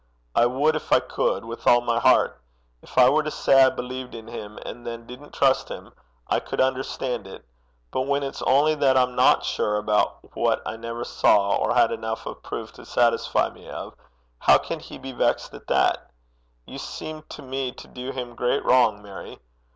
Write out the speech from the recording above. I would if I could with all my heart. If I were to say I believed in him, and then didn't trust him, I could understand it. But when it's only that I'm not sure about what I never saw, or had enough of proof to satisfy me of, how can he be vexed at that? You seem to me to do him great wrong, Mary.